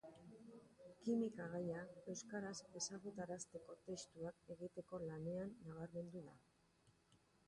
Kimika gaiak euskaraz ezagutarazteko testuak egiteko lanean nabarmendu da.